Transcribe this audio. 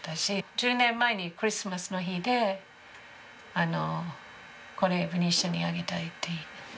１０年前のクリスマスの日で「これベニシアにあげたい」って。